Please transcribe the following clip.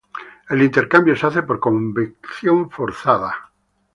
El intercambio se hace por convección forzada.